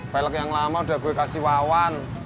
balik yang lama udah gue kasih wawan